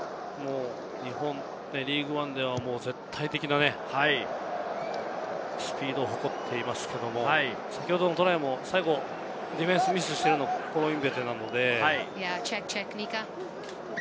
リーグワンでは絶対的なスピードを誇っていますけれども、先ほどのトライも最後、ディフェンスミスしているのはコロインベテなので。